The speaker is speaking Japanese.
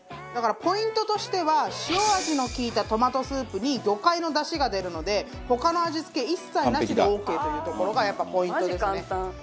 だからポイントとしては塩味の利いたトマトスープに魚介の出汁が出るので他の味付け一切なしでオーケーというところがやっぱポイントですね。